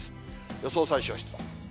予想最小湿度。